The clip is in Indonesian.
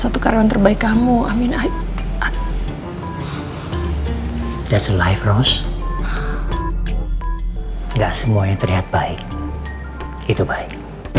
satu karyawan terbaik kamu amin ayo hai desa life rose enggak semuanya terlihat baik itu baik